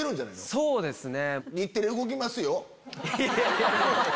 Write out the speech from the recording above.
そうですね。